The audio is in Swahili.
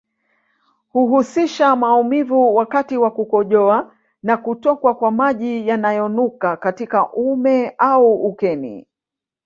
Huhusisha mauvimu wakati wa kukojoa na kutokwa kwa maji yanayonuka katika uume ama ukeni